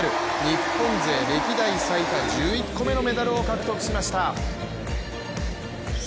日本勢、歴代最多１１個目のメダルを獲得しました。